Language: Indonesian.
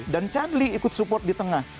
dan chandli ikut support di tengah